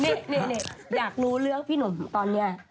นี่อยากรู้เรื่องพี่หนุ่มตอนนี้